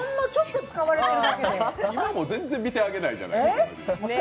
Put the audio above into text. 全然見てあげないじゃないですか、２人。